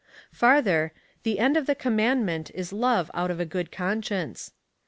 Farther, the end of the commandment is love out of a good conscience.